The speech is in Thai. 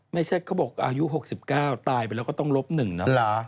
ไม่ใช่ก็บอกอายุ๖๙ตายไปแล้วก็ต้องละ๑นะ